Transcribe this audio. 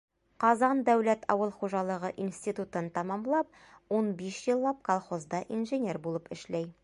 Ҡазан дәүләт ауыл хужалығы институтын тамамлап, ун биш йыллап колхозда инженер булып эшләй.